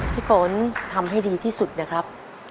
พี่ฝนทำให้ดีที่สุดนะครับ